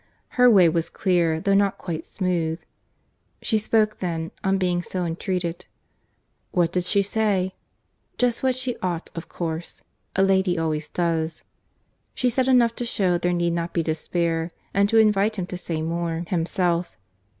Her way was clear, though not quite smooth.—She spoke then, on being so entreated.—What did she say?—Just what she ought, of course. A lady always does.—She said enough to shew there need not be despair—and to invite him to say more himself.